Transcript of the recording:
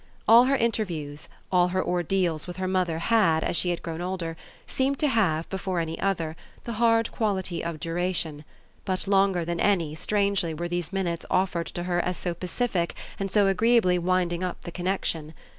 All her interviews, all her ordeals with her mother had, as she had grown older, seemed to have, before any other, the hard quality of duration; but longer than any, strangely, were these minutes offered to her as so pacific and so agreeably winding up the connexion.